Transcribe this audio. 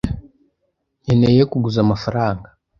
Nkeneye kuguza amafaranga.